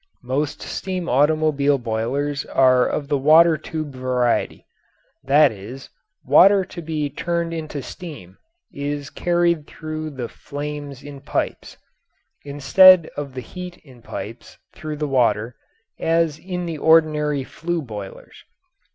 Most steam automobile boilers are of the water tube variety that is, water to be turned into steam is carried through the flames in pipes, instead of the heat in pipes through the water, as in the ordinary flue boilers.